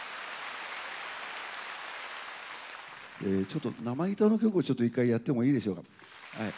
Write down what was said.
ちょっと生ギターの曲をちょっと一回やってもいいでしょうか？